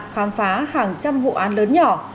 khám phá hàng trăm vụ án lớn nhỏ